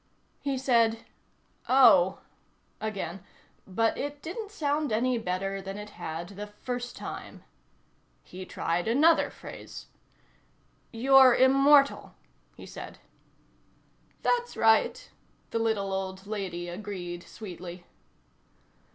He said: "Oh," again, but it didn't sound any better than it had the first time. He tried another phrase. "You're immortal," he said. "That's right," the little old lady agreed sweetly.